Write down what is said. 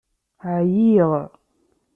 Ɛyiɣ.